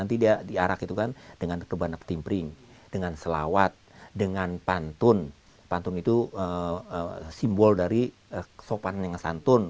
untuk mempertimbangkan kesabaran persidangan